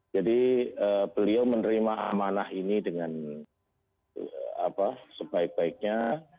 jadi beliau menerima amanah ini dengan sebaik baiknya